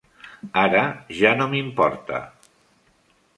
Ara ja no m'importa.